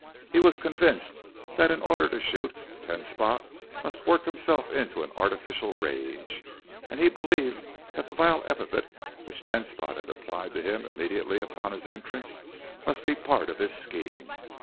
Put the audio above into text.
He was convinced that in order to shoot, Ten Spot must work himself into an artificial rage, and he believed that the vile epithet which Ten Spot had applied to him immediately upon his entrance must be part of his scheme.